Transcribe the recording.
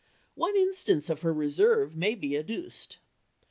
One instance of her reserve may be adduced.